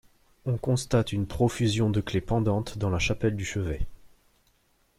On constate une profusion de clés pendantes dans la chapelle du chevet.